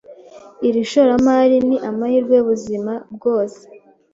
Iri shoramari ni amahirwe yubuzima bwose.